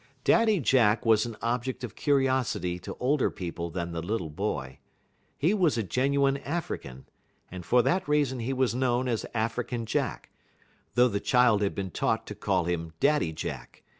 Daddy Jack was an object of curiosity to older people than the little boy. He was a genuine African, and for that reason he was known as African Jack, though the child had been taught to call him Daddy Jack.